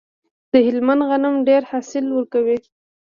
د هلمند غنم ډیر حاصل ورکوي.